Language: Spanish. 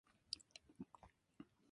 España tiene una embajada en Kinshasa.